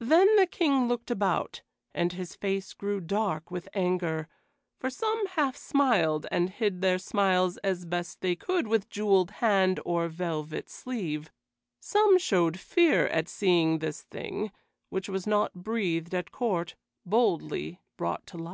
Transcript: Then the King looked about, and his face grew dark with anger, for some half smiled and hid their smiles as best they could with jeweled hand or velvet sleeve; some showed fear at seeing this thing, which was not breathed at court, boldly brought to light.